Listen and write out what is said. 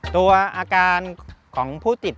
ตัวอาการของผู้ติด